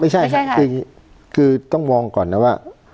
ไม่ใช่ค่ะคือต้องว่ามัดก่อนนะว่า